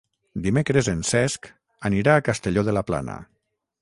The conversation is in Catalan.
Dimecres en Cesc anirà a Castelló de la Plana.